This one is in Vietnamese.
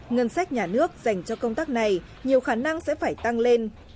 ngân sách nhà nước dành cho công tác này nhiều khả năng sẽ phải tăng lên